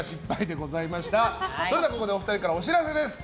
ここでお二人からお知らせです。